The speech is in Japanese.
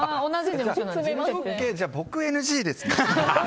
じゃあ僕ＮＧですね。